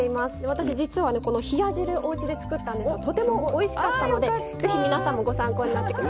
私実はねこの冷や汁おうちで作ったんですがとてもおいしかったのでぜひ皆さんもご参考になさって下さい。